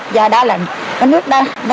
do đó là cái nước đó